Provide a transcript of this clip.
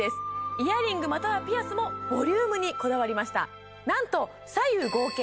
イヤリングまたはピアスもボリュームにこだわりました